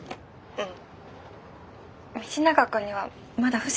うん！